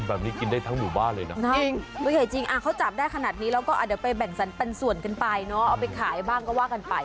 แบบนี้กินได้ทั้งหมู่บ้านเลยนะจริงเขาจับได้ขนาดนี้แล้วก็อาจหาไปแบ่งสั้นเป็นส่วนกันไปน้องเอาไปขายบ้างก็ว่ากันไป